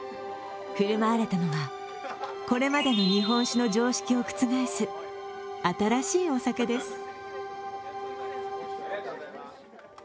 振る舞われたのは、これまでの日本酒の常識を覆す新しいお酒です。